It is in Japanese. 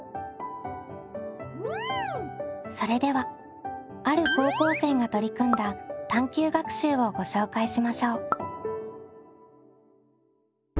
それではある高校生が取り組んだ探究学習をご紹介しましょう。